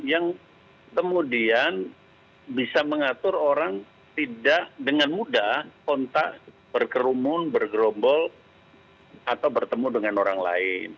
yang kemudian bisa mengatur orang tidak dengan mudah kontak berkerumun bergerombol atau bertemu dengan orang lain